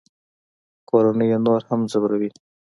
کورنۍ یې نور هم ځوروي